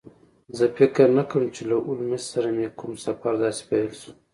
زه فکر نه کوم چې له هولمز سره مې کوم سفر داسې پیل شو